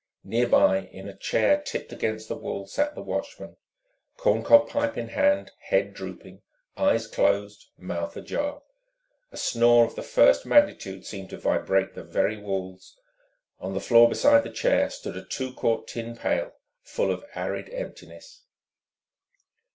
Near by, in a chair tipped against the wall, sat the watchman, corncob pipe in hand, head drooping, eyes closed, mouth ajar. A snore of the first magnitude seemed to vibrate the very walls. On the floor beside the chair stood a two quart tin pail full of arid emptiness.